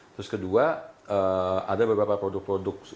terus kedua ada beberapa produk produk